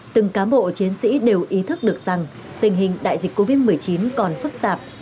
từng cám bộ chiến sĩ đều ý thức được rằng tình hình đại dịch covid một mươi chín còn phức tạp